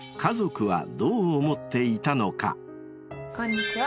こんにちは。